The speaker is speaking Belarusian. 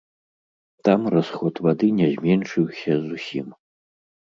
Там расход вады не зменшыўся зусім.